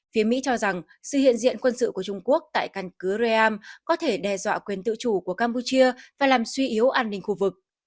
phía mỹ cho rằng sự hiện diện quân sự của trung quốc tại căn cứ raam có thể đe dọa quyền tự chủ của campuchia và làm suy yếu an ninh khu vực